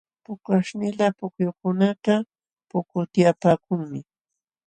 Pukaśhnila pukyukunakaq pukutyapaakunmi.